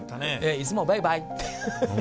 いつも「バイバイ」って。